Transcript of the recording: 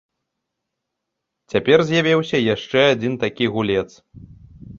Цяпер з'явіўся яшчэ адзін такі гулец.